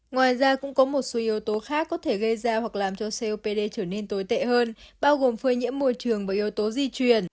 ngoài ra cũng có một số yếu tố khác có thể gây ra hoặc làm cho copd trở nên tồi tệ hơn bao gồm phơi nhiễm môi trường bởi yếu tố di truyền